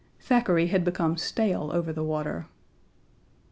Thackeray had become stale over the water.